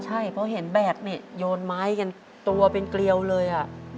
ใช่เพราะเห็นแบกเนี่ยโยนไม้กันตัวเป็นเกลียวเลย